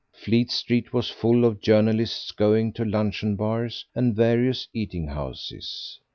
Fleet Street was full of journalists going to luncheon bars and various eating houses.